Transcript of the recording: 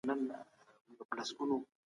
ستا په وخت کي هم ليلا وه او اوس هم سته